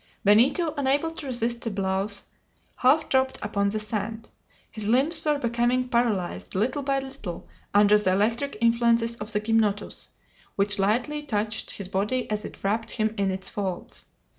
Benito, unable to resist the blows, half dropped upon the sand. His limbs were becoming paralyzed little by little under the electric influences of the gymnotus, which lightly touched his body as it wrapped him in its folds.